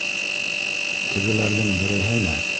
Тегеләрҙең береһеме?